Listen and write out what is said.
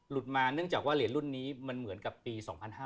มาเนื่องจากว่าเหรียญรุ่นนี้มันเหมือนกับปี๒๕๕๙